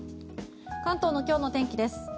関東の今日の天気です。